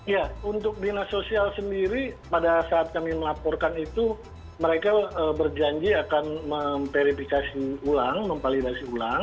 ya untuk dinas sosial sendiri pada saat kami melaporkan itu mereka berjanji akan memverifikasi ulang memvalidasi ulang